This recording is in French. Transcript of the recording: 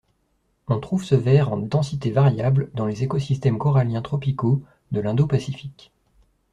On trouve ce ver en densités variables dans les écosystèmes coralliens tropicaux de l'Indo-Pacifique.